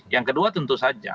yang kedua tentu saja